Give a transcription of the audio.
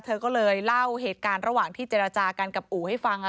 เธอก็เลยเล่าเหตุการณ์ระหว่างที่เจรจากันกับอู่ให้ฟัง